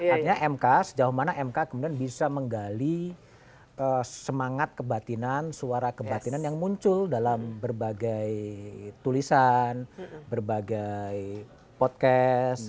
artinya mk sejauh mana mk kemudian bisa menggali semangat kebatinan suara kebatinan yang muncul dalam berbagai tulisan berbagai podcast